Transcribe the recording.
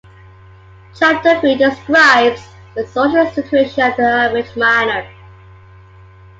Chapter Three describes the social situation of the average miner.